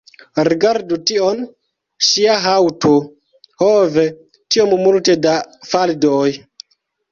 Rigardu tion; ŝia haŭto! ho ve! tiom multe da faldoj